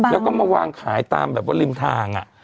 แล้วก็มาวางขายตามริมทาง